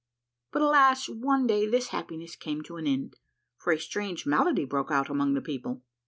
But, alas, one day this happiness came to an end, for a strange malady broke out among the people.